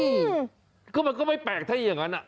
อ๋อเหรอคือมันก็ไม่แปลกถ้าอย่างนั้นนะ